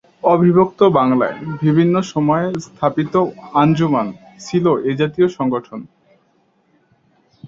অবিভক্ত বাংলায় বিভিন্ন সময়ে স্থাপিত ‘আঞ্জুমান’ ছিল এ জাতীয় সংগঠন।